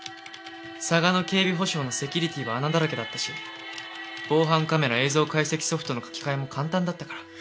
サガノ警備保障のセキュリティーは穴だらけだったし防犯カメラ映像解析ソフトの書き換えも簡単だったから。